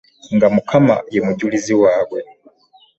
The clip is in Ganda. Nga mukama yemujulizi wabwe.